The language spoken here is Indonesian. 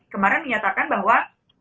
kemarin menyatakan bahwa